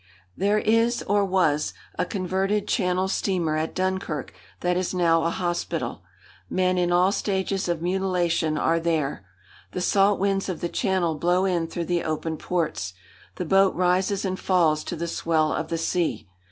There is, or was, a converted Channel steamer at Dunkirk that is now a hospital. Men in all stages of mutilation are there. The salt winds of the Channel blow in through the open ports. The boat rises and falls to the swell of the sea.